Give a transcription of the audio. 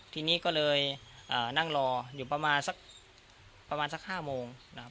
ทีนี้ก็เลยนั่งรออยู่ประมาณสักประมาณสัก๕โมงนะครับ